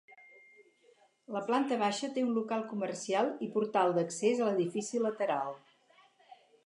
La planta baixa té un local comercial i portal d'accés a l'edifici lateral.